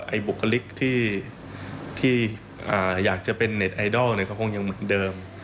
ไอบุคลิกที่ที่อ่าอยากจะเป็นเน็ตไอดอลเนี่ยเขาคงยังเหมือนเดิม